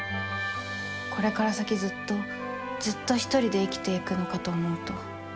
これから先ずっとずっとひとりで生きていくのかと思うと。